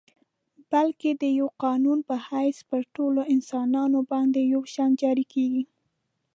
بلکه د یوه قانون په حیث پر ټولو انسانانو باندي یو شان جاري کیږي.